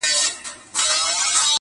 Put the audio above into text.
په پسته ژبه دي تل يم نازولى!.